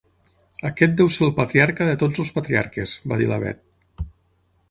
Aquest deu ser el patriarca de tots els patriarques —va dir la Bet.